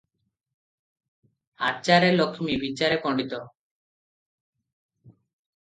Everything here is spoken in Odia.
ଆଚାରେ ଲକ୍ଷ୍ମୀ, ବିଚାରେ ପଣ୍ତିତ ।"